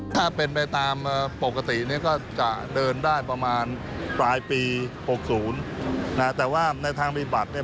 ถ้าเป็นไปตามปกติเนี่ยก็จะเดินได้ประมาณปลายปีหกศูนย์นะแต่ว่าในทางปฏิบัติเนี่ย